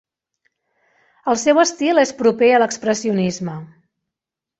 El seu estil és proper a l'expressionisme.